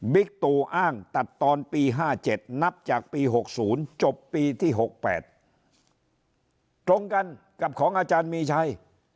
บิ๊กตูอ้างตัดตอนปีห้าเจ็ดนับจากปีหกศูนย์จบปีที่หกแปดตรงกันกับของอาจารย์มีชัย